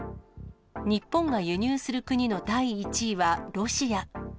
日本が輸入する国の第１位はロシア。